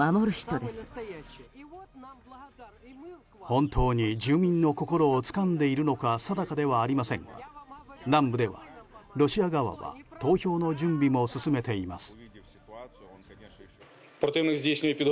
本当に住民の心をつかんでいるのか定かではありませんが南部ではロシア側は投票の準備も進めています。